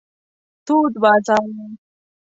تود بازار و.